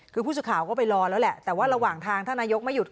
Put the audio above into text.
คือผู้สื่อข่าวก็ไปรอแล้วแหละแต่ว่าระหว่างทางท่านนายกไม่หยุด